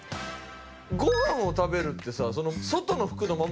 「ご飯を食べる」ってさ。